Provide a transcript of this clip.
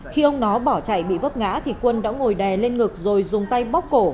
khi ông nó bỏ chạy bị vấp ngã thì quân đã ngồi đè lên ngực rồi dùng tay bóc cổ